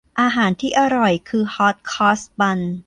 อาหารที่อร่อยคือฮอตครอสบันส์